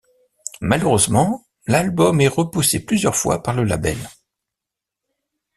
Malheureusement, l'album est repoussé plusieurs fois par le label.